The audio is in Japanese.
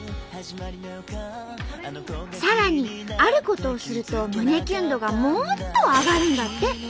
さらにあることをすると胸キュン度がもっと上がるんだって。